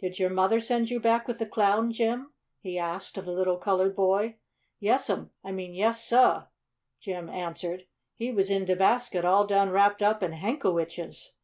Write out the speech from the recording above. Did your mother send you back with the Clown, Jim?" he asked of the little colored boy. "Yes'm I mean yes, sah!" Jim answered. "He was in de basket all done wrapped up in hankowitches."